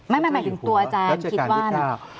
มันหมายถึงตัวอาจารย์คิดว่านะ